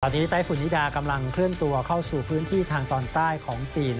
ตอนนี้ไต้ฝุ่นนิดากำลังเคลื่อนตัวเข้าสู่พื้นที่ทางตอนใต้ของจีน